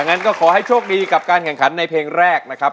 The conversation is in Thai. งั้นก็ขอให้โชคดีกับการแข่งขันในเพลงแรกนะครับ